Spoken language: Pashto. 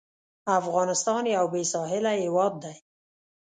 افغانستان یو بېساحله هېواد دی.